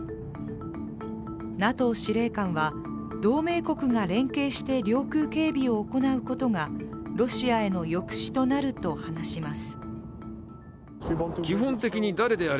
ＮＡＴＯ司令官は同盟国が連携して領空警備を行うことがロシアへの抑止となると話します。